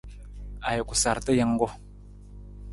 Ajuku sarta jungku.